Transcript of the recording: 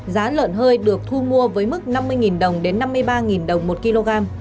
giá lợn hơi được thu mua với mức năm mươi đồng đến năm mươi ba đồng một kg